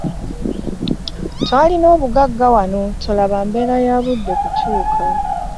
Twalina obugagga wano tolaba mbeera ya budde kukyuka.